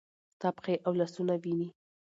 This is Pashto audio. ستا پښې او لاسونه وینې ؟